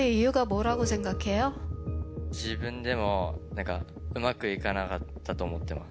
自分でも、なんかうまくいかなかったと思ってます。